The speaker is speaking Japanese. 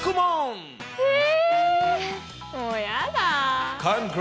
もうやだ。